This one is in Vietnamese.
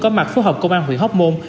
có mặt phối hợp công an huyện hóc môn